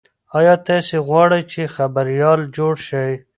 ایا تاسي غواړئ چې خبریال جوړ شئ؟